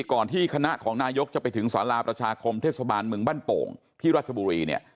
ก่อนที่คณะของนายกจะไปถึงสาราประชาคมเทศบาลเมืองบ้านโป่งที่รัชบุรีเนี่ย